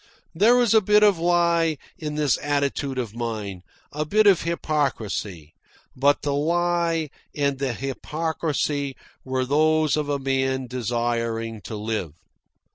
There was a bit of lie in this attitude of mine, a bit of hypocrisy; but the lie and the hypocrisy were those of a man desiring to live.